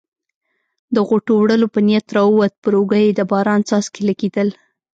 د غوټو وړلو په نیت راووت، پر اوږو یې د باران څاڅکي لګېدل.